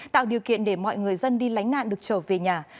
tạo điều kiện để mọi người dân đi lánh nạn được trở về nhà